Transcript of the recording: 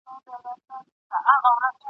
یا مي لور په نکاح ومنه خپل ځان ته !.